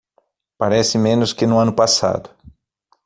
Parece menos que no ano passado